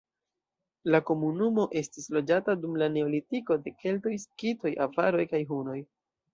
La komunumo estis loĝata dum la neolitiko, de keltoj, skitoj, avaroj kaj hunoj.